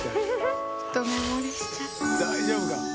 大丈夫か？